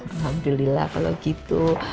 alhamdulillah kalau gitu